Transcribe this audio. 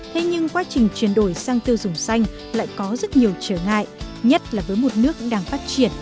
thế nhưng quá trình chuyển đổi sang tiêu dùng xanh lại có rất nhiều trở ngại nhất là với một nước đang phát triển như việt nam